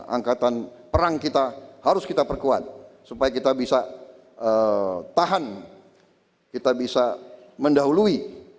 angkatan perang kita harus kita perkuat supaya kita bisa tahan kita bisa mendahului